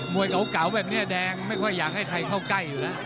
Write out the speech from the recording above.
วยเก่าแบบนี้แดงไม่ค่อยอยากให้ใครเข้าใกล้อยู่นะ